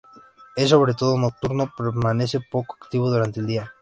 Es sobre todo nocturno, permanece poco activo durante el día.